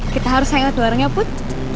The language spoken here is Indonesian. kita harus sayang satu orangnya put